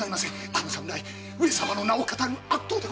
あの侍上様の名を騙る悪党でございます！